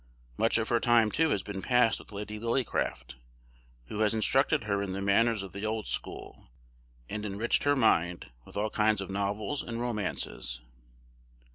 Much of her time, too, has been passed with Lady Lillycraft, who has instructed her in the manners of the old school, and enriched her mind with all kinds of novels and romances.